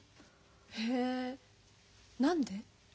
へえ何で？